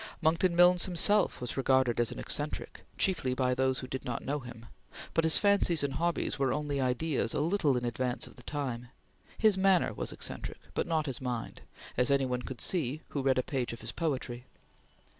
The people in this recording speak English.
Monckton Milnes himself was regarded as an eccentric, chiefly by those who did not know him, but his fancies and hobbies were only ideas a little in advance of the time; his manner was eccentric, but not his mind, as any one could see who read a page of his poetry.